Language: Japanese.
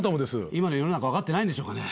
今の世の中分かってないんでしょうかね？